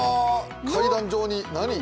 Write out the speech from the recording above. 階段状に、何？